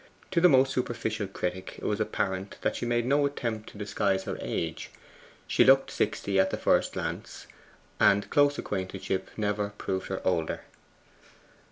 To the most superficial critic it was apparent that she made no attempt to disguise her age. She looked sixty at the first glance, and close acquaintanceship never proved her older.